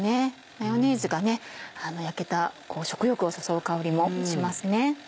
マヨネーズが焼けた食欲を誘う香りもしますね。